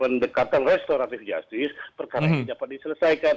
nah ini sudah dikatakan restoratif jastis perkara ini dapat diselesaikan